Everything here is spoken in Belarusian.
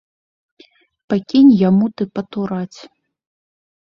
Пакінь яму ты патураць.